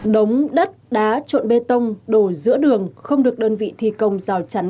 đống đất đá trộn bê tông đổ giữa đường không được đơn vị thi công rào chắn